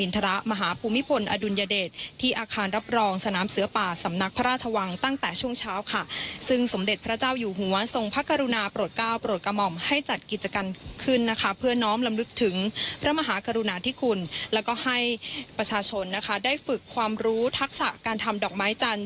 ถึงพระมหากรุณาที่คุณและก็ให้ประชาชนได้ฝึกความรู้ทักษะการทำดอกไม้จันทร์